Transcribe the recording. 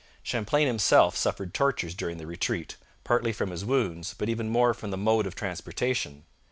Champlain himself suffered tortures during the retreat, partly from his wounds, but even more from the mode of transportation.